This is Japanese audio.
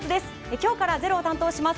今日から「ｚｅｒｏ」を担当します